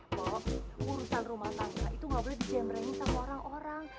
bahwa urusan rumah tangga itu gak boleh dijembrengin sama orang orang